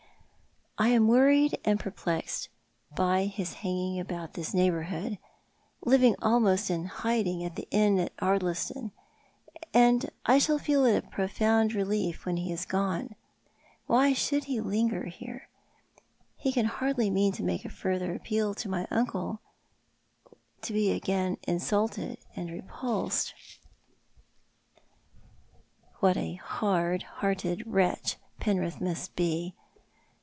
I am worried and perplexed by his hanging about this neighbourhood— living almost in hiding at the inn at Ardliston —and I shall feel it a profound relief when he is gone. Why should ho linger here ? He can hardly mean to make a further appeal to my uncle, to be again insulted and repulsed. What a hard hearted wretch Penrith must be!